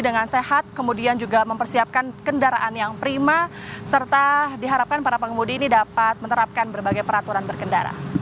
dengan sehat kemudian juga mempersiapkan kendaraan yang prima serta diharapkan para pengemudi ini dapat menerapkan berbagai peraturan berkendara